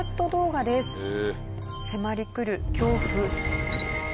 迫り来る恐怖。